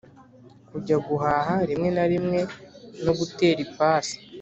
kujya guhaha rimwe na rimwe no gutera ipasi.